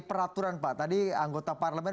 peraturan pak tadi anggota parlemen